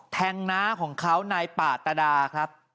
แท้งนะของเขานายปาตรดา